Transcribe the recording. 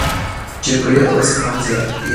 جګړه اوس هم یادېږي.